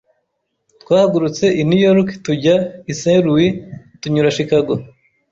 Twahagurutse i New York tujya i St. Louis tunyura Chicago.